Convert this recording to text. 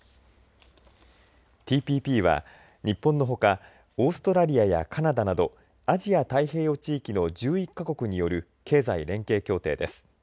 ＴＰＰは日本のほかオーストラリアやカナダなどアジア太平洋地域の１１か国による経済連携協定です。